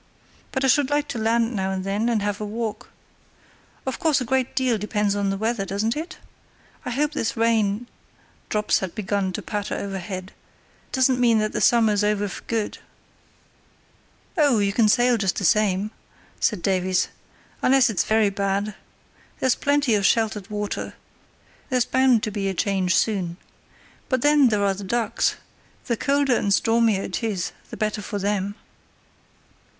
But I should like to land now and then and have a walk. Of course, a great deal depends on the weather, doesn't it? I hope this rain" (drops had begun to patter overhead) "doesn't mean that the summer's over for good." "Oh, you can sail just the same," said Davies, "unless it's very bad. There's plenty of sheltered water. There's bound to be a change soon. But then there are the ducks. The colder and stormier it is, the better for them."